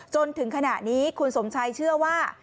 จนถึงขณะนี้คุณสมชัยเชื่อว่า